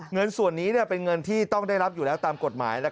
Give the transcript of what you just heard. เงินส่วนนี้เป็นเงินที่ต้องได้รับอยู่แล้วตามกฎหมาย